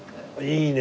いいね！